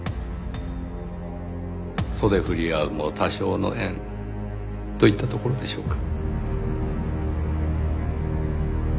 袖振り合うも多生の縁といったところでしょうか。